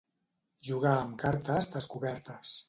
Jugar amb cartes descobertes.